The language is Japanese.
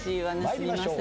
すみません。